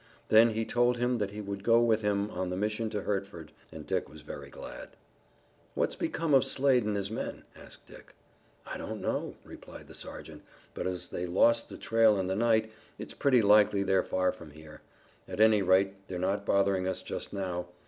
Then he told him that he would go with him on the mission to Hertford, and Dick was very glad. "What's become of Slade and his men?" asked Dick. "I don't know," replied the sergeant, "but as they lost the trail in the night, it's pretty likely they're far from here. At any rate they're not bothering us just now.